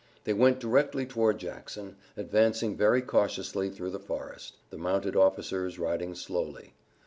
They went directly toward Jackson, advancing very cautiously through the forest, the mounted officers riding slowly.